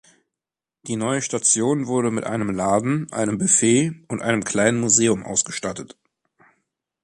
Die neue Station wurde mit einem Laden, einem Buffet und einem kleinen Museum ausgestattet.